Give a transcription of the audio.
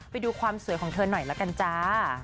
ไปดูความสวยของเธอหน่อยละกันจ้า